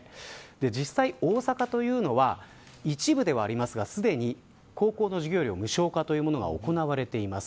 実際、大阪というのは一部ではありますが、すでに高校の授業料無償化というものが行われています。